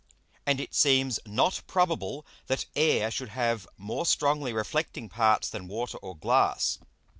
And it seems not probable that Air should have more strongly reflecting parts than Water or Glass.